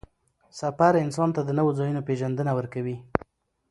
سفر انسان ته د نوو ځایونو پېژندنه ورکوي